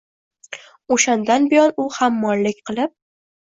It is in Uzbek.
O’shandan buyon u hammollik qilib